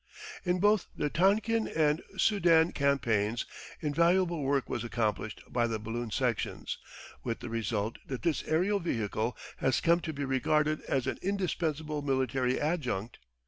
In both the Tonkin and Soudan campaigns, invaluable work was accomplished by the balloon sections, with the result that this aerial vehicle has come to be regarded as an indispensable military adjunct.